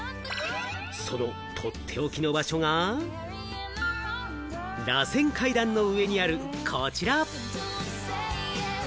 そのとっておきの場所が、らせん階段の上にある、こちら！